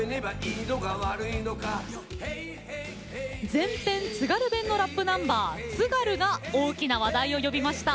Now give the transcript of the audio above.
全編津軽弁のラップナンバー「ＴＳＵＧＡＲＵ」が大きな話題を呼びました。